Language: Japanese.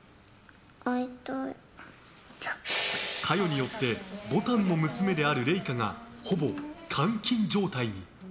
香世によってぼたんの娘の麗香がほぼ監禁状態に。